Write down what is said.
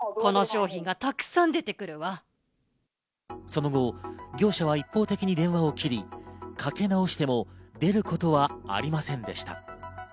その後、業者は一方的に電話を切り、かけ直しても出ることはありませんでした。